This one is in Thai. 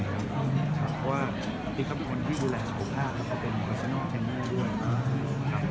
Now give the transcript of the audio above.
เพราะว่าผมพักแค่๒๓เดือนในช่วงที่ผ่านมา